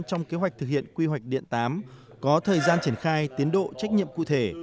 trong kế hoạch thực hiện quy hoạch điện tám có thời gian triển khai tiến độ trách nhiệm cụ thể